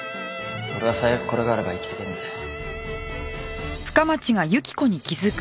俺は最悪これがあれば生きていけるんだよ。